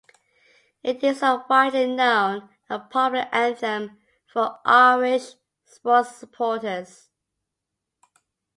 It is a widely known and popular anthem for Irish sports supporters.